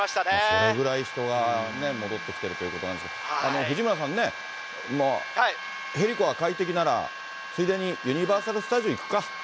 それぐらい人がね、戻ってきているということなんですけど、藤村さんね、ヘリが快適なら、ついでにユニバーサル・スタジオ行くか？